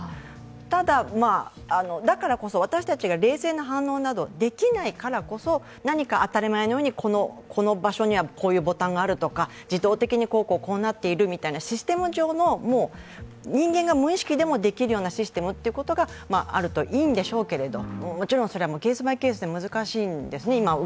ただ、私たちが冷静な反応なんかできないからこそ何か当たり前のようにこの場所にはこのボタンがあるとか自動的にこうやっているというシステム上の、人間が無意識でもできるようなシステムがあるといいんでしょうけれども、もちろんそれはケース・バイ・ケースで難しいんですね。